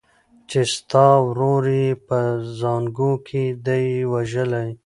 چي ستا ورور یې په زانګو کي دی وژلی